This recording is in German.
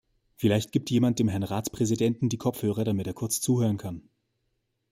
Vielleicht gibt jemand dem Herrn Ratspräsidenten die Kopfhörer, damit er kurz zuhören kann.